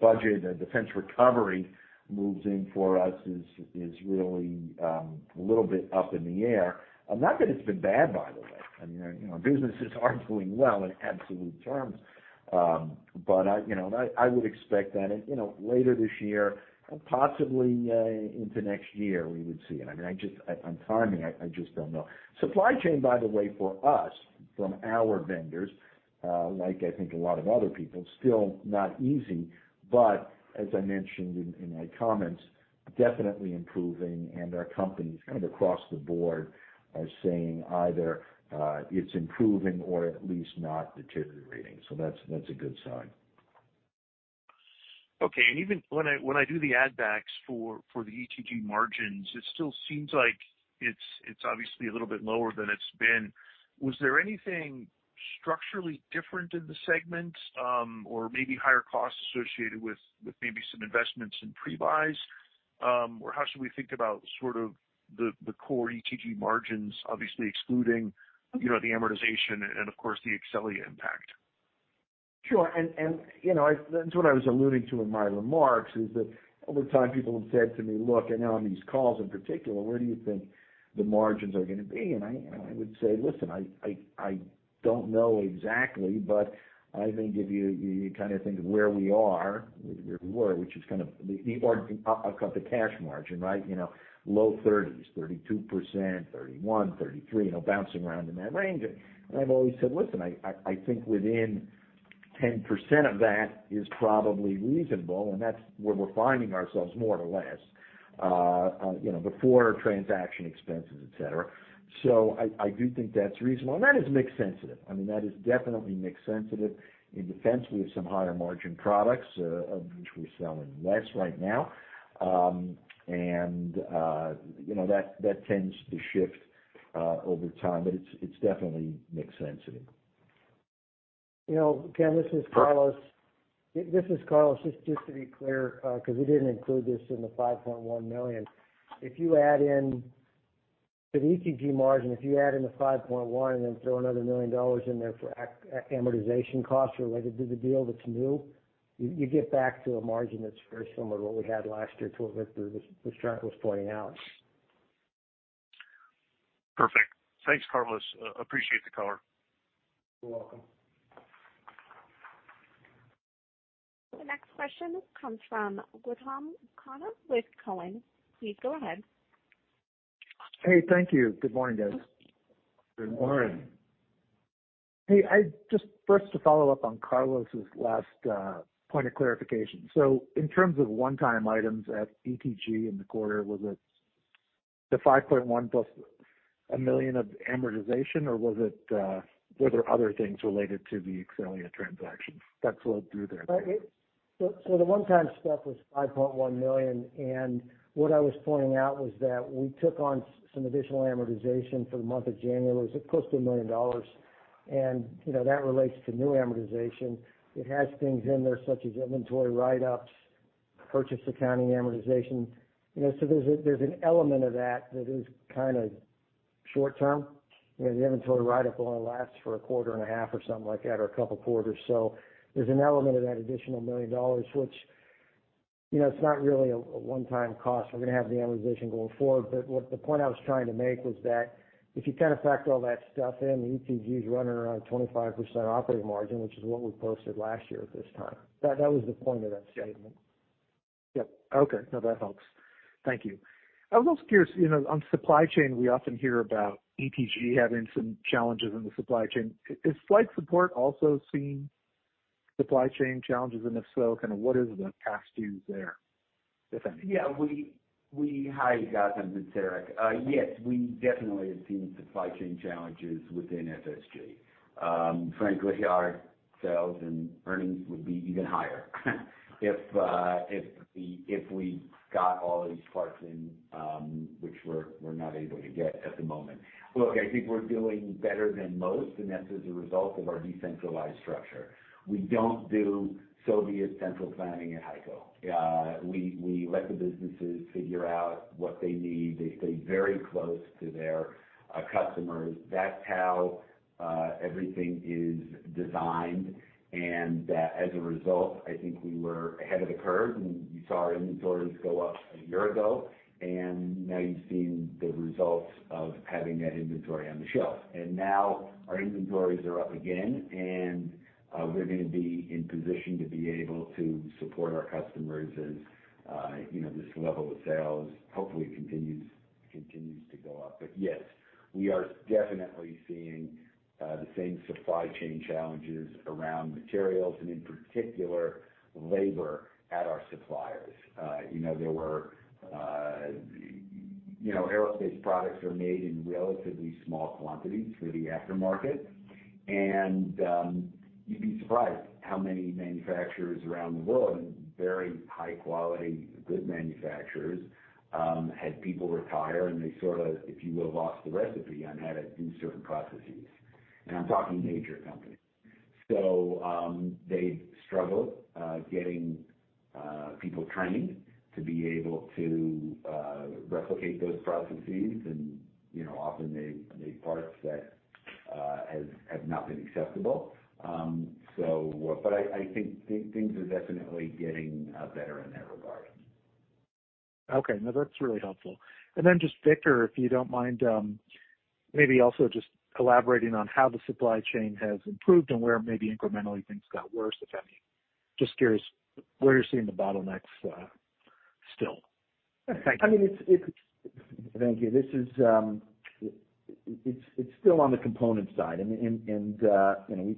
budget, defense recovery moves in for us is really a little bit up in the air. Not that it's been bad by the way. I mean, you know, businesses are doing well in absolute terms. I, you know, I would expect that, you know, later this year, possibly, into next year, we would see it. I mean, on timing, I just don't know. Supply chain, by the way, for us, from our vendors, like I think a lot of other people, still not easy, but as I mentioned in my comments, definitely improving and our companies kind of across the board are saying either, it's improving or at least not deteriorating. That's a good sign. Okay. Even when I do the add backs for the ETG margins, it still seems like it's obviously a little bit lower than it's been. Was there anything structurally different in the segment, or maybe higher costs associated with maybe some investments in pre-buys? Or how should we think about sort of the core ETG margins, obviously excluding, you know, the amortization and of course, the Exxelia impact? Sure. You know, that's what I was alluding to in my remarks, is that over time, people have said to me, "Look," and now on these calls in particular, "where do you think the margins are gonna be?" I would say, "Listen, I don't know exactly, but I think if you kind of think of where we are, where we were, which is kind of the org-- I've got the cash margin, right? You know, low 30s, 32%, 31, 33, you know, bouncing around in that range. I've always said, "Listen, I think within 10% of that is probably reasonable," and that's where we're finding ourselves more or less, you know, before transaction expenses, et cetera. I do think that's reasonable. That is mix sensitive. I mean, that is definitely mix sensitive. In defense, we have some higher margin products, of which we're selling less right now. You know, that tends to shift over time, but it's definitely mix sensitive. You know, Ken, this is Carlos, just to be clear, 'cause we didn't include this in the $5.1 million. If you add in the ETG margin, if you add in the $5.1 and then throw another $1 million in there for amortization costs related to the deal that's new, you get back to a margin that's very similar to what we had last year which Jack was pointing out. Perfect. Thanks, Carlos. Appreciate the color. You're welcome. The next question comes from Gautam Khanna with Cowen. Please go ahead. Hey, thank you. Good morning, guys. Good morning. Hey, first to follow up on Carlos's last point of clarification. In terms of one-time items at ETG in the quarter, was it the $5.1 plus $1 million of amortization, or were there other things related to the Exxelia transaction that flowed through there? The one-time stuff was $5.1 million, what I was pointing out was that we took on some additional amortization for the month of January. It was close to $1 million. You know, that relates to new amortization. It has things in there such as inventory write-ups, purchase accounting amortization. You know, there's an element of that that is kind of short term. You know, the inventory write-up only lasts for a quarter and a half or something like that, or a couple of quarters. There's an element of that additional $1 million, which, you know, it's not really a one-time cost. We're gonna have the amortization going forward. What the point I was trying to make was that if you kind of factor all that stuff in, ETG is running around 25% operating margin, which is what we posted last year at this time. That was the point of that statement. Yep. Okay. No, that helps. Thank you. I was also curious, you know, on supply chain, we often hear about ETG having some challenges in the supply chain. Is Flight Support also seeing supply chain challenges? If so, kind of what is the calculus there, if any? Yeah. Hi, Gautam. It's Eric. Yes, we definitely have seen supply chain challenges within FSG. Frankly, our sales and earnings would be even higher if we got all these parts in, which we're not able to get at the moment. Look, I think we're doing better than most, and that's as a result of our decentralized structure. We don't do Soviet central planning at HEICO. We let the businesses figure out what they need. They stay very close to their customers. That's how everything is designed. As a result, I think we were ahead of the curve, and you saw our inventories go up a year ago, and now you've seen the results of having that inventory on the shelf. Now our inventories are up again, and we're gonna be in position to be able to support our customers as, you know, this level of sales hopefully continues to go up. Yes, we are definitely seeing the same supply chain challenges around materials and in particular labor at our suppliers. You know, there were, you know, aerospace products are made in relatively small quantities for the aftermarket. You'd be surprised how many manufacturers around the world, and very high quality, good manufacturers, had people retire, and they sort of, if you will, lost the recipe on how to do certain processes. I'm talking major companies. They struggled getting people trained to be able to replicate those processes and, you know, often make parts that has, have not been acceptable. I think things are definitely getting better in that regard. Okay. No, that's really helpful. Just, Victor, if you don't mind, maybe also just elaborating on how the supply chain has improved and where maybe incrementally things got worse, if any. Just curious where you're seeing the bottlenecks still. I mean, it's. Thank you. This is, it's still on the component side. You know,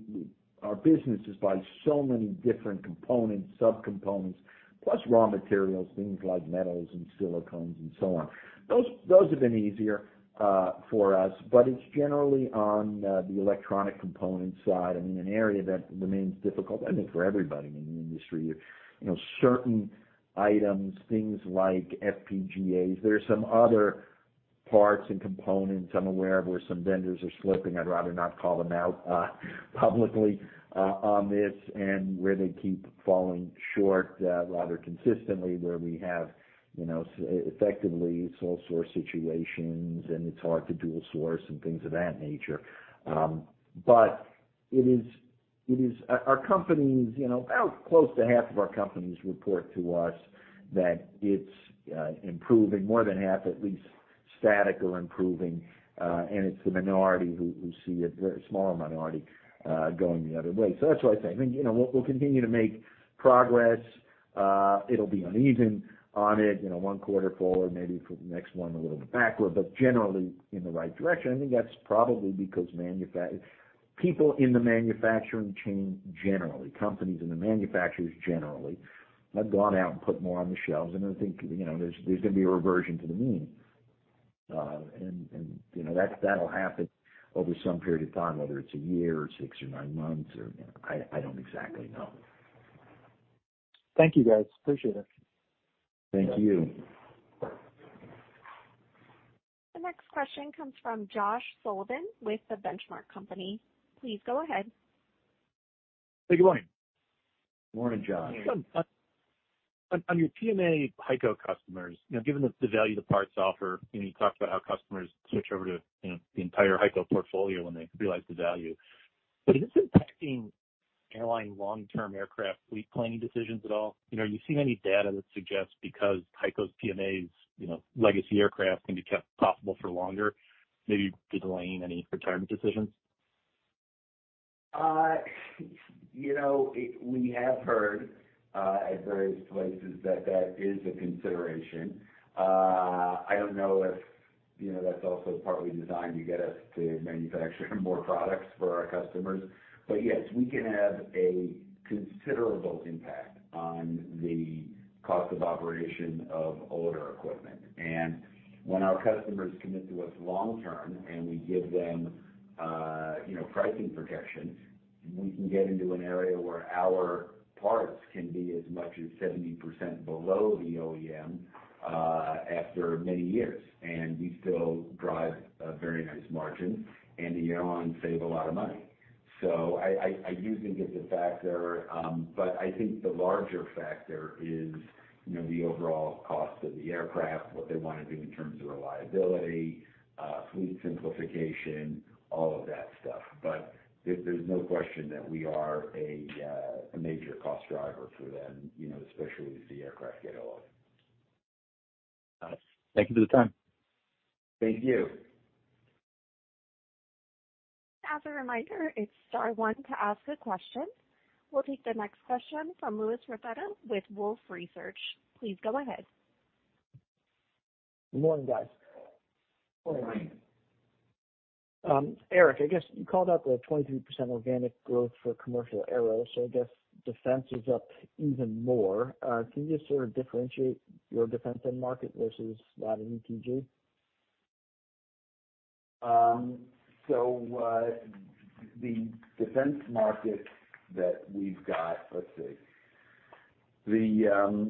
our business is by so many different components, subcomponents, plus raw materials, things like metals and silicones and so on. Those have been easier for us, but it's generally on the electronic component side. I mean, an area that remains difficult, I think, for everybody in the industry. You know, certain items, things like FPGA. There are some other parts and components I'm aware of where some vendors are slipping. I'd rather not call them out publicly on this, and where they keep falling short rather consistently where we have, you know, effectively sole source situations, and it's hard to dual source and things of that nature. Our companies, you know, about close to half of our companies report to us that it's improving, more than half at least static or improving. It's the minority who see a very small minority going the other way. That's why I say, I mean, you know, we'll continue to make progress. It'll be uneven on it, you know, one quarter forward, maybe for the next one, a little bit backward, but generally in the right direction. I think that's probably because people in the manufacturing chain, generally, companies and the manufacturers generally have gone out and put more on the shelves. I think, you know, there's gonna be a reversion to the mean. You know, that'll happen over some period of time, whether it's a year or six or nine months or, you know, I don't exactly know. Thank you, guys. Appreciate it. Thank you. The next question comes from Josh Sullivan with The Benchmark Company. Please go ahead. Hey, good morning. Morning, Josh. On your PMA HEICO customers, you know, given the value of the parts offer, you know, you talked about how customers switch over to, you know, the entire HEICO portfolio when they realize the value. Is this impacting airline long-term aircraft fleet planning decisions at all? You know, are you seeing any data that suggests because HEICO's PMA, you know, legacy aircraft can be kept profitable for longer, maybe delaying any retirement decisions? You know, we have heard at various places that that is a consideration. I don't know if, you know, that's also partly designed to get us to manufacture more products for our customers. Yes, we can have a considerable impact on the cost of operation of older equipment. When our customers commit to us long term, and we give them, you know, pricing protections, we can get into an area where our parts can be as much as 70% below the OEM after many years. We still drive a very nice margin, and the airlines save a lot of money. I do think it's a factor, but I think the larger factor is, you know, the overall cost of the aircraft, what they wanna do in terms of reliability, fleet simplification, all of that stuff. There's no question that we are a major cost driver for them, you know, especially as the aircraft get older. Got it. Thank you for the time. Thank you. As a reminder, it's star one to ask a question. We'll take the next question from Louis Raffetto with Wolfe Research. Please go ahead. Good morning, guys. Good morning. Eric, I guess you called out the 23% organic growth for commercial aero, so I guess defense is up even more. Can you sort of differentiate your defense end market versus a lot of ETG? The defense market that we've got, let's see. The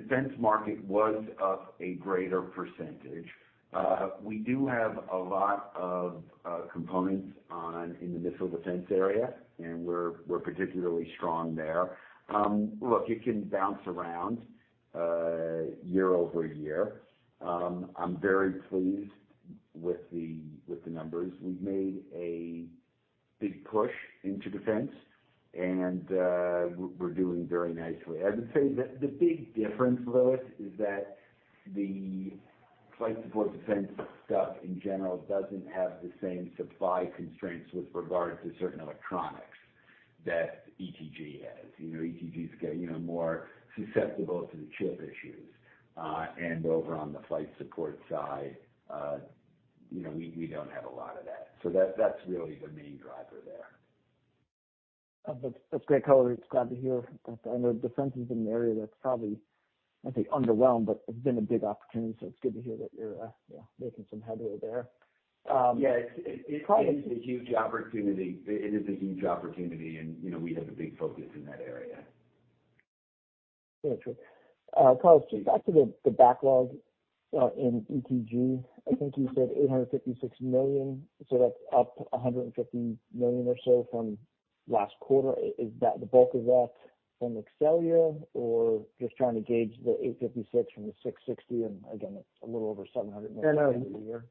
defense market was up a greater percentage. We do have a lot of components on, in the missile defense area, and we're particularly strong there. It can bounce around year over year. I'm very pleased with the numbers. We've made a big push into defense, and we're doing very nicely. I would say the big difference, Louis, is that the Flight Support defense stuff in general doesn't have the same supply constraints with regard to certain electronics that ETG has. You know, ETG is more susceptible to the chip issues. Over on the Flight Support side, you know, we don't have a lot of that. That's really the main driver there. That's great color. Glad to hear that. I know defense has been an area that's probably, I'd say underwhelmed, but it's been a big opportunity, so it's good to hear that you're, you know, making some headway there. Yeah. It is a huge opportunity. It is a huge opportunity and, you know, we have a big focus in that area. Yeah, true. Carlos, back to the backlog, in ETG. I think you said $856 million, that's up $150 million or so from last quarter. Is that the bulk of that from Exxelia or just trying to gauge the 856 from the 660 and again, it's a little over $700 million a year?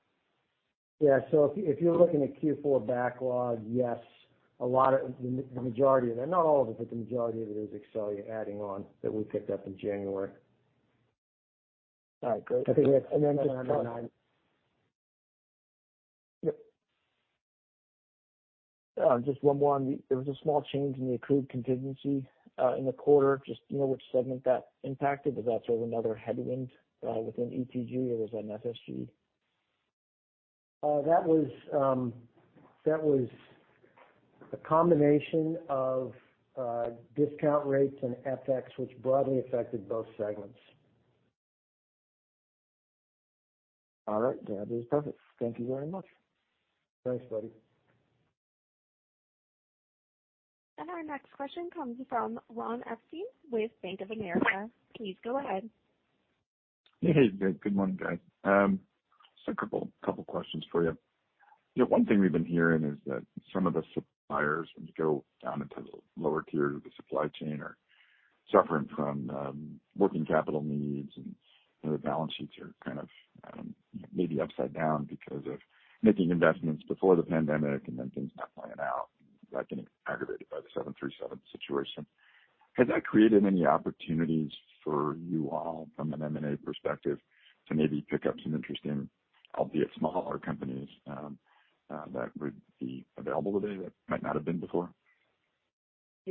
Yeah. If you're looking at Q4 backlog, yes. A lot of the majority of it, not all of it, but the majority of it is Exxelia adding on that we picked up in January. All right, great. I think that's nine out of nine. Yep. Just one more. There was a small change in the accrued contingency, in the quarter. Just, do you know which segment that impacted? Is that sort of another headwind, within ETG, or was that in FSG? That was a combination of discount rates and FX, which broadly affected both segments. All right. That is perfect. Thank you very much. Thanks, buddy. Our next question comes from Ronald Epstein with Bank of America. Please go ahead. Hey. Good morning, guys. Just a couple questions for you. You know, one thing we've been hearing is that some of the suppliers, when you go down into the lower tier of the supply chain, are suffering from working capital needs and their balance sheets are kind of maybe upside down because of making investments before the pandemic and then things not playing out and that getting aggravated by the 737 situation. Has that created any opportunities for you all from an M&A perspective to maybe pick up some interesting, albeit smaller companies that would be available today that might not have been before?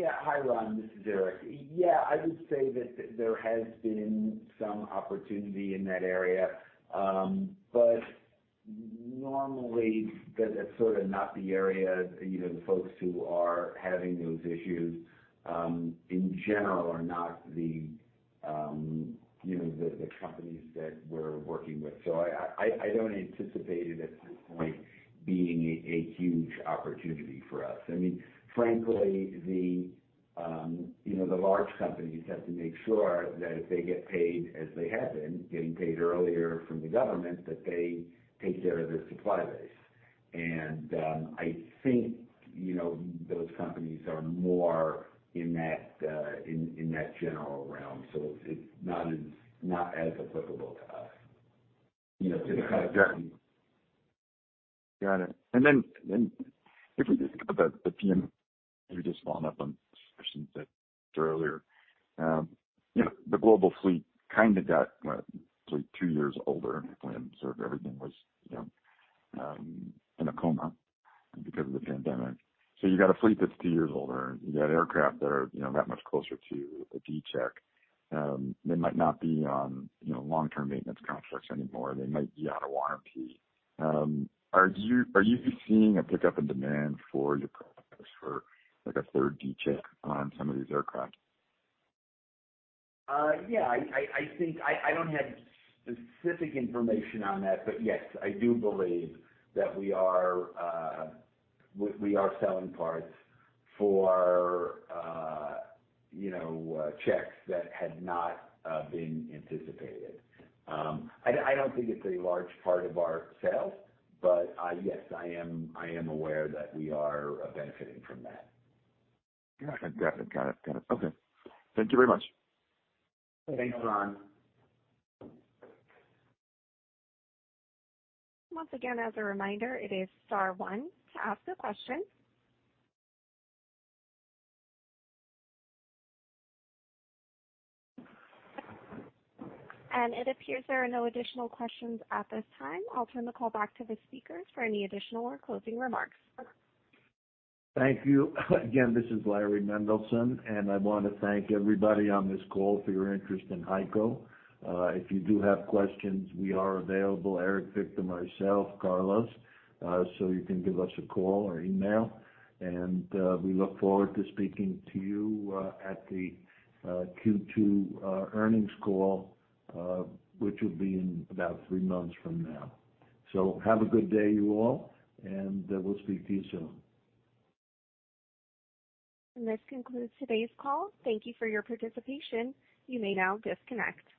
Hi, Ron. This is Eric. I would say that there has been some opportunity in that area. Normally that's sort of not the area, you know, the folks who are having those issues, in general are not the, you know, the companies that we're working with. I don't anticipate it at this point being a huge opportunity for us. I mean, frankly, the, you know, the large companies have to make sure that if they get paid as they have been, getting paid earlier from the government, that they take care of their supply base. I think, you know, those companies are more in that in that general realm. It's not as applicable to us, you know, to the kind of- Got it. If we could think about the PMA, maybe just following up on questions that earlier. You know, the global fleet kinda got like two years older when sort of everything was, you know, in a coma because of the pandemic. You got a fleet that's two years older, you got aircraft that are, you know, that much closer to a D-Check. They might not be on, you know, long-term maintenance contracts anymore. They might be out of warranty. Are you seeing a pickup in demand for your products for like a third D-Check on some of these aircraft? Yeah, I think I don't have specific information on that, but yes, I do believe that we are selling parts for, you know, checks that had not been anticipated. I don't think it's a large part of our sales, but yes, I am aware that we are benefiting from that. Got it. Got it. Okay. Thank you very much. Thanks, Ron. Once again, as a reminder, it is star one to ask the question. It appears there are no additional questions at this time. I'll turn the call back to the speakers for any additional or closing remarks. Thank you. Again, this is Larry Mendelson, and I wanna thank everybody on this call for your interest in HEICO. If you do have questions, we are available, Eric Victor, myself, Carlos, so you can give us a call or email. We look forward to speaking to you at the Q2 earnings call, which will be in about three months from now. Have a good day, you all, and we'll speak to you soon. This concludes today's call. Thank you for your participation. You may now disconnect.